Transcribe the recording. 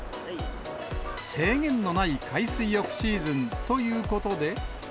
制限のない海水浴シーズンということで。